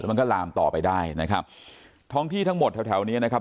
มันก็ลามต่อไปได้นะครับท้องที่ทั้งหมดแถวแถวเนี้ยนะครับ